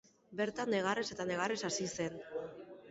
Bertan negarrez eta negarrez hasi zen.